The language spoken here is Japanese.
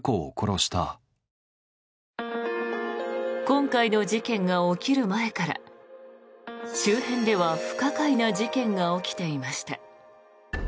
今回の事件が起きる前から周辺では不可解な事件が起きていました。